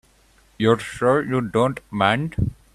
You're sure you don't mind?